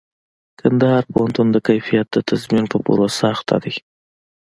کندهار پوهنتون د کيفيت د تضمين په پروسه اخته دئ.